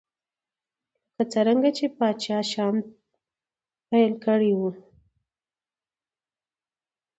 لکه څرنګه چې پاچا شیام پیل کړی و.